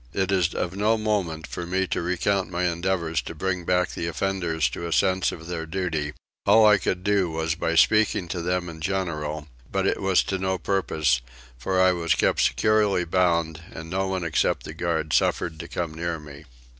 It is of no moment for me to recount my endeavours to bring back the offenders to a sense of their duty: all I could do was by speaking to them in general; but it was to no purpose, for I was kept securely bound and no one except the guard suffered to come near me.